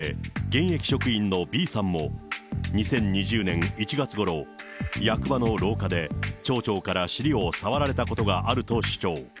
また、きのうの会見では、Ａさんに加え、現役職員のＢさんも２０２０年１月ごろ、役場の廊下で、町長から尻を触られたことがあると主張。